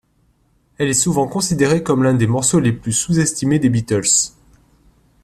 Elle est souvent considérée comme l'un des morceaux les plus sous-estimés des Beatles.